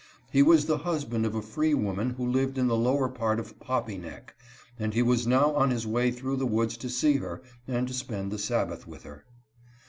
He was the husband of a free woman who lived in the lower part of "Poppie Neck," and he was now on his way through the woods to see her and to spend the Sabbath with her.